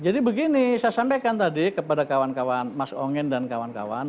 jadi begini saya sampaikan tadi kepada kawan kawan mas ongen dan kawan kawan